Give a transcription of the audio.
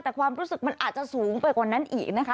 แต่ความรู้สึกมันอาจจะสูงไปกว่านั้นอีกนะคะ